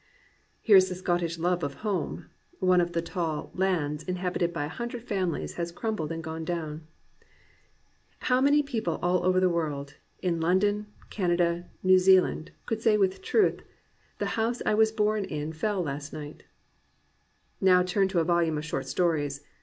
Here is the Scottish love of home: (One of the tall "lands," inhabited by a hundred famihes, has crumbled and gone down.) "How many people all over the world, in London, Canada, New 2Jea land, could say with truth, *The house I was born in fell last night*!" Now turn to a volume of short stories.